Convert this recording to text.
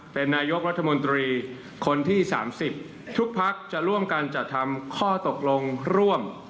เป็นนายกรัฐมนตรีคนที่๓๐ทุกพักจะร่วมกันจัดทำข้อตกลงร่วม